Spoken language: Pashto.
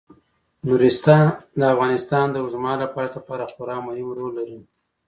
نورستان د افغانستان د اوږدمهاله پایښت لپاره خورا مهم رول لري.